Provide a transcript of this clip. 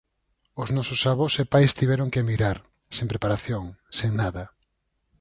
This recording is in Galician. Os nosos avós e pais tiveron que emigrar, sen preparación, sen nada.